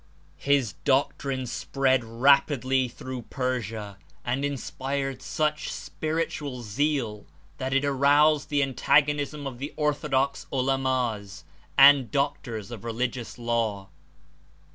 His doctrine spread rapidly through Persia and inspired such spiritual zeal that it aroused the antagonism of the orthodox Ulamas and Doctors of religious law.